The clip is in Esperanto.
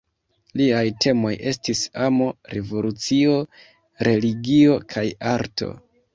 Liaj temoj estis amo, revolucio, religio kaj arto.